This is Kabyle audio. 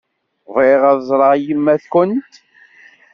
Bɣiɣ ad ẓreɣ yemma-twent.